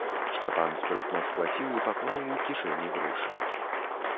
Сцяпан спрытна схваціў і паклаў у кішэні грошы.